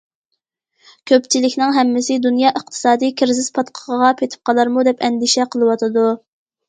كۆپچىلىكنىڭ ھەممىسى دۇنيا ئىقتىسادى كىرىزىس پاتقىقىغا پېتىپ قالارمۇ دەپ ئەندىشە قىلىۋاتىدۇ.